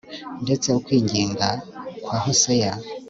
ndetse ukwinginga kwa Hoseya